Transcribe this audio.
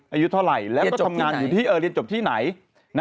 อายุเท่าไหร่แล้วทำงานอยู่ที่เรียนจบที่ไหน